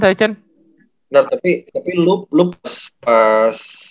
bener tapi lu pas